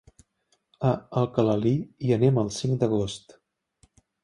A Alcalalí hi anem el cinc d'agost.